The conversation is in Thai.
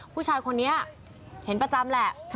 ผู้ชายคนนี้เห็นประจำแหละ